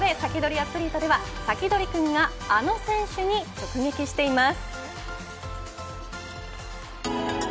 アツリートではサキドリくんがあの選手に直撃しています。